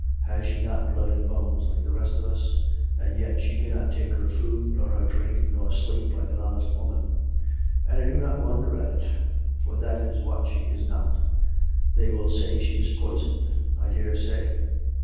Has she not blood and bones like the rest of us? And yet she cannot take her food nor her drink^ nor sleep like an honest woman. And I do not wonder at it; for that is what she is not. They will say she is poisoned, I dare say.